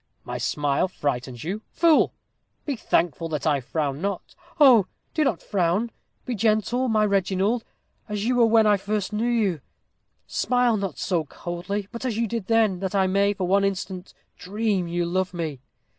"My smile frightens you fool! be thankful that I frown not." "Oh! do not frown. Be gentle, my Reginald, as you were when first I knew you. Smile not so coldly, but as you did then, that I may, for one instant, dream you love me."